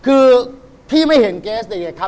คือพี่ไม่เห็นแวดอย่างนี้ครับ